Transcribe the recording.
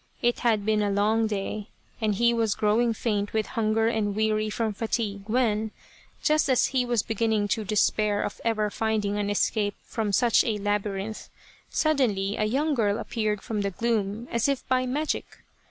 It had been a long day, and he was growing faint with hunger and weary from fatigue when, just as he was beginning to despair of ever finding an escape from such a laby rinth, suddenly a young girl appeared from the gloom as if by magic